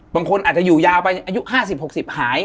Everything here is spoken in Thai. บางคนอาจจะอยู่ยาวไปอายุ๕๐๖๐หาย